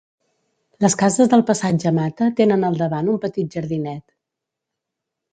Les cases del passatge Mata tenen al davant un petit jardinet.